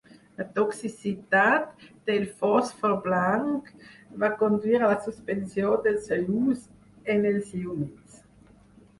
La toxicitat del fòsfor blanc va conduir a la suspensió del seu ús en els llumins.